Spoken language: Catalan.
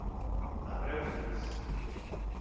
A preu fix.